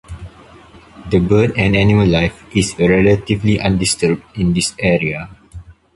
The bird and animal life is relatively undisturbed in this area.